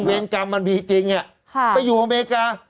กรรมมันมีจริงไปอยู่อเมริกา